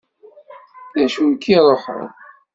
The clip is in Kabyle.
D acu i k-iruḥen?